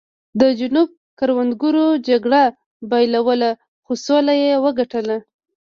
د جنوب کروندګرو جګړه بایلوله خو سوله یې وګټله.